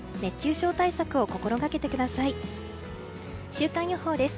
週間予報です。